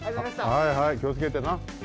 はいはいきをつけてな。